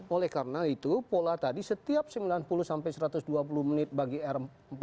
oleh karena itu pola tadi setiap sembilan puluh sampai satu ratus dua puluh menit bagi r empat puluh